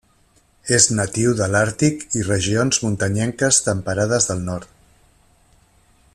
És natiu de l'Àrtic i regions muntanyenques temperades del nord.